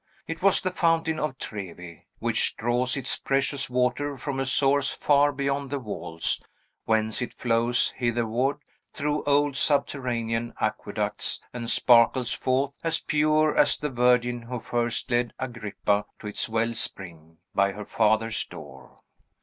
It was the Fountain of Trevi, which draws its precious water from a source far beyond the walls, whence it flows hitherward through old subterranean aqueducts, and sparkles forth as pure as the virgin who first led Agrippa to its well spring, by her father's door.